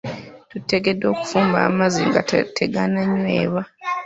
Tuteekeddwa okufumba amazzi nga tegananyweebwa.